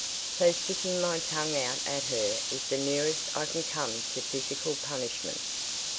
So sticking my tongue out at her is the nearest I can come to physical punishment."